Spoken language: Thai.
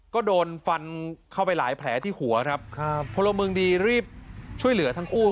ก็โดนฟันเข้าไปหลายแผลที่หัวครับครับพลเมืองดีรีบช่วยเหลือทั้งคู่